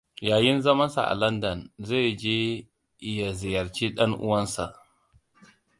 Yayin zamansa a Landan, zai je ya ziyarci dan uwan nasa.